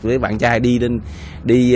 với bạn trai đi